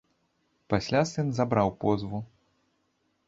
Пасля сын забраў позву.